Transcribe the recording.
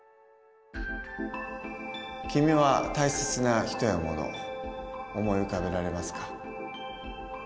君は大切な人やもの思い浮かべられますか？